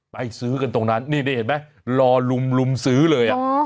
ซื้อกันตรงนั้นนี่เห็นไหมรอลุมซื้อเลย